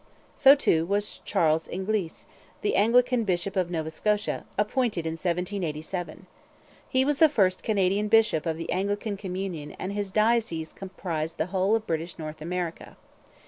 So too was Charles Inglis, the Anglican bishop of Nova Scotia, appointed in 1787. He was the first Canadian bishop of the Anglican communion and his diocese comprised the whole of British North America.